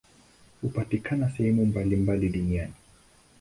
Hupatikana sehemu mbalimbali duniani.